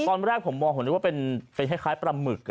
ตอนแรกผมมองผมนึกว่าเป็นคล้ายปลาหมึก